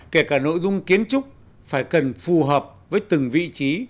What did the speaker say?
kể cả nội dung kiến trúc phải cần phù hợp với từng vị trí